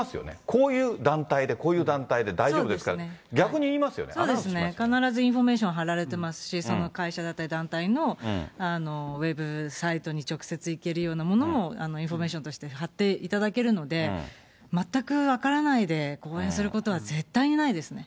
こういう団体で、こういう団体で大丈夫ですって、そうですね、必ずインフォメーションはられてますし、その会社だったり団体のウェブサイトに直接いけるようなものも、インフォメーションとしてはっていただけるので、全く分からないで講演することは絶対にないですね。